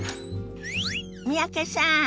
三宅さん